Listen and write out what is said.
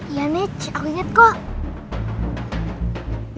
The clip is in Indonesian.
iya nih aku inget kok